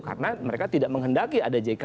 karena mereka tidak menghendaki ada jk